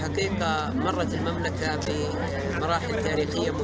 habib belleah nochapi maraj iteration